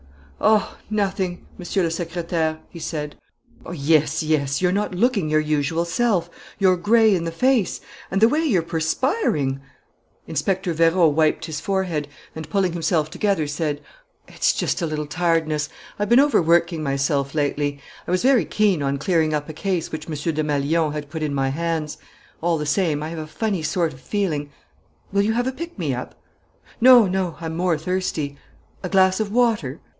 "Oh, nothing, Monsieur le Secrétaire!" he said. "Yes, yes; you're not looking your usual self. You're gray in the face.... And the way you're perspiring...." Inspector Vérot wiped his forehead and, pulling himself together, said: "It's just a little tiredness.... I've been overworking myself lately: I was very keen on clearing up a case which Monsieur Desmalions had put in my hands. All the same, I have a funny sort of feeling " "Will you have a pick me up?" "No, no; I'm more thirsty." "A glass of water?"